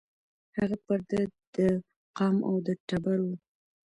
هغه پر د ده د قام او د ټبر وو